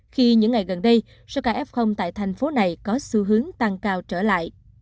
khi những ngày gần đây số ca f tại thành phố này có xu hướng tăng cao trở lại